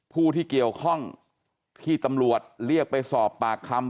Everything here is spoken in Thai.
ผู้ที่เกี่ยวข้องที่ตำรวจเรียกไปสอบปากคำ